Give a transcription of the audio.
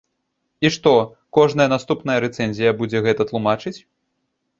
І што, кожная наступная рэцэнзія будзе гэта тлумачыць?